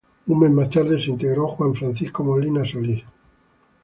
Un mes más tarde se integró Juan Francisco Molina Solís.